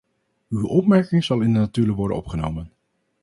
Uw opmerking zal in de notulen worden opgenomen.